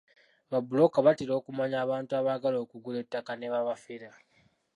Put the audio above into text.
Babbulooka batera okumanya abantu abaagala okugula ettaka ne babafera.